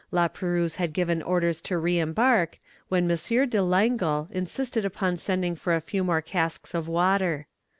La Perouse had given orders to re embark, when M. de Langle insisted upon sending for a few more casks of water.